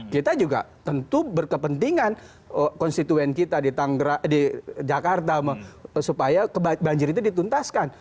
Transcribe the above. kita juga tentu berkepentingan konstituen kita di jakarta supaya banjir itu dituntaskan